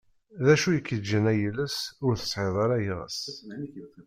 D acu i k-yeĝĝan ay iles ur tesεiḍ ara iɣes?